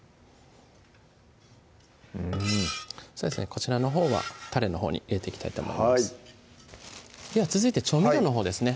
こちらのほうはたれのほうに入れていきたいと思いますでは続いて調味料のほうですね